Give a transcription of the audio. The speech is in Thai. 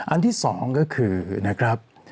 อันที่๒ก็คือนะครับ